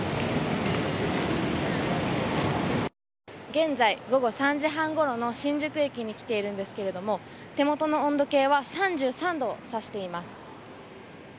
現在、午後３時半ごろの新宿駅に来ているんですけれども手元の温度計は３３度を指しています。